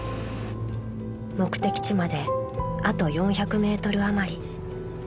［目的地まであと４００ｍあまり］